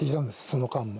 その間も。